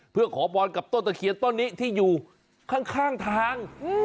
เพื่อขอพรกับต้นตะเคียนต้นนี้ที่อยู่ข้างทาง